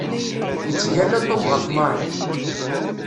Yettgalla Tom ɣef Mary.